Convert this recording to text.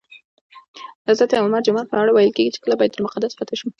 د حضرت عمر جومات په اړه ویل کېږي چې کله بیت المقدس فتح شو.